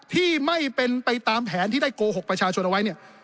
ที่ไม่เป็นไปตามแผนที่ได้โกหกประชาชนเอาไว้เนี่ย